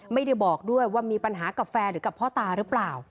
ไม่ได้บอกด้วยว่ามีปัญหากับแฟนหรือกับพ่อตาหรือเปล่า